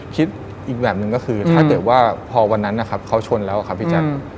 คิดอีกแบบหนึ่งก็คือถ้าเกิดว่าพอวันนั้นนะครับเขาชนแล้วครับพี่แจ๊ค